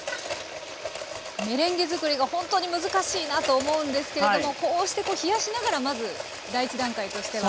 メレンゲ作りがほんとに難しいなと思うんですけれどもこうして冷やしながらまず第一段階としては。